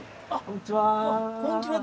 こんにちは。